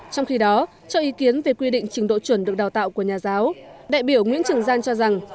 trong khi đó cho ý kiến về quy định trình độ chuẩn được đào tạo của nhà giáo đại biểu nguyễn trường giang cho rằng